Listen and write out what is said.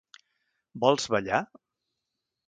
Vols ballar?